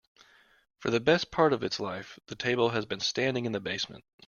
For the best part of its life, the table has been standing in the basement.